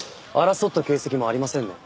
争った形跡もありませんね。